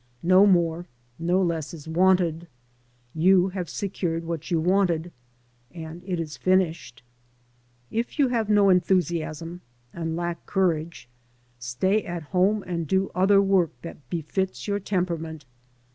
No more, no less is wanted. You have secured what you wanted, and it is finished. If you have no enthusiasm, and lack courage, stay at home and do other work that befits your temperament.